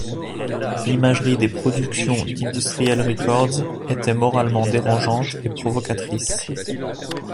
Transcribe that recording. L'imagerie des productions d'Industrial Records était moralement dérangeante et provocatrice.